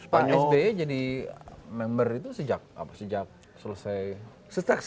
pak sby jadi member itu sejak selesai